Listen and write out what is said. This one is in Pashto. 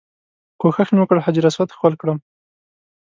کوښښ مې وکړ حجر اسود ښکل کړم.